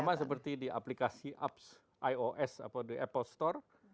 sama seperti di aplikasi ups ios atau di apple store